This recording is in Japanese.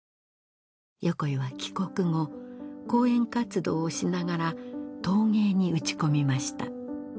横井は帰国後講演活動をしながら陶芸に打ち込みました